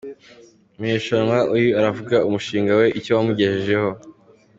Mu irushanwa, uyu aravuga umushinga we icyo wamugejejeho.